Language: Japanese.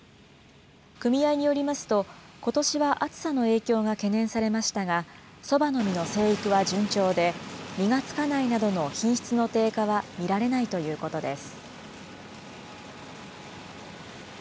組合によりますと、ことしは暑さの影響が懸念されましたが、そばの実の生育は順調で、実がつかないなどの品質の低下は見られないということです。